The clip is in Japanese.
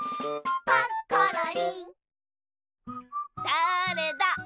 だれだ？